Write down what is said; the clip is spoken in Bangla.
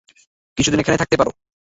কিছুদিন এখানে থাকতে পারো।